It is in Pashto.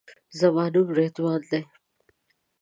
زما نوم رضوان دی.